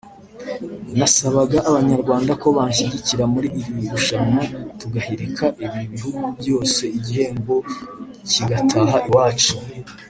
nasabaga Abanyarwanda ko banshyigikira muri iri rushanwa tugahigika ibi bihugu byose igihembo kigataha iwacu